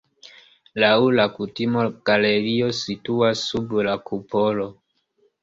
Laŭ la kutimo galerio situas sub la kupolo.